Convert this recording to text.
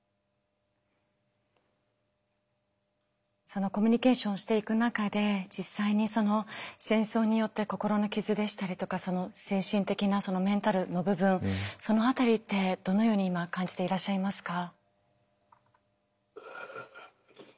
そのコミュニケーションをしていく中で実際に戦争によって心の傷でしたりとか精神的なメンタルの部分その辺りってどのように今感じていらっしゃいますか？